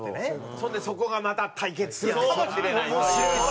そんでそこがまた対決するかもしれないという。